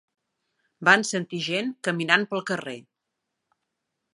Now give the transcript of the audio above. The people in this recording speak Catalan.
Van sentir gent caminant pel carrer.